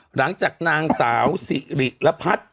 หลังจากนางสาวสิริรพัฒน์